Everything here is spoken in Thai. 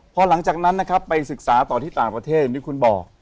พอหลังจากนั้นนะครับไปศึกษาต่อที่ต่างประเทศอย่างที่คุณบอก